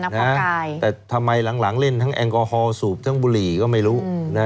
เพราะทำไมหลังเล่นทั้งแองกรอฮอล์สูบบุหรี่ก็ไม่รู้